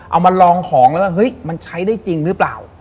เอามาลองของแล้วว่าเฮ้ยมันใช้ได้จริงหรือเปล่า